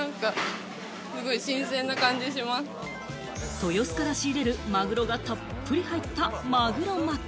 豊洲から仕入れるまぐろがたっぷり入ったまぐろ巻。